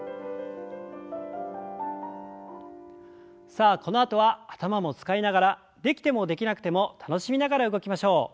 さあこのあとは頭も使いながらできてもできなくても楽しみながら動きましょう。